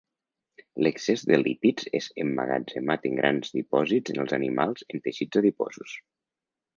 L'excés de lípids és emmagatzemat en grans dipòsits en els animals en teixits adiposos.